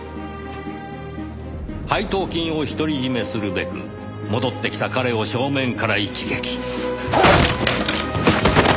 配当金を独り占めするべく戻ってきた彼を正面から一撃。